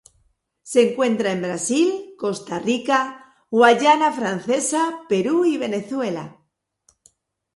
Se encuentra en Brasil, Costa Rica, Guayana Francesa, Perú y Venezuela.